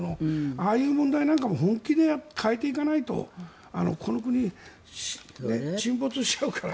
ああいう問題も本気で変えていかないとこの国は沈没しちゃうから。